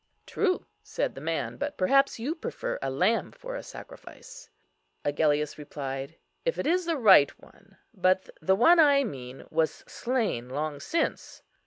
"True," said the man, "but perhaps you prefer a lamb for a sacrifice." Agellius replied, "If it is the right one; but the one I mean was slain long since."